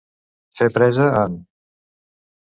Fer presa en.